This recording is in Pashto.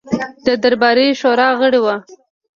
د درباري شورا غړی وو.